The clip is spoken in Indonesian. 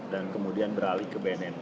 dan kemudian beralih ke bnn